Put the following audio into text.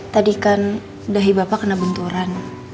tadi kan dahi bapak kena benturan